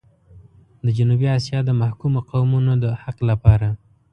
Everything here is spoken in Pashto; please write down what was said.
د جنوبي اسيا د محکومو قومونو د حق لپاره.